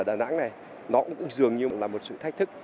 đà nẵng này nó cũng dường như là một sự thách thức